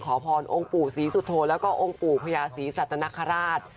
โอ้งปู่ศรีศุธโธโอ้งปู่ภรรยาศรีสัตนคราช